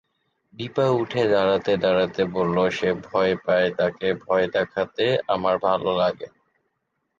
দিপা উঠে দাঁড়াতে-দাঁড়াতে বলল, যে ভয় পায় তাকে ভয় দেখাতে আমার ভালো লাগে।